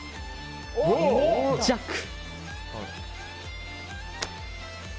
ジャック。